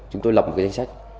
chúng tôi lọc một cái danh sách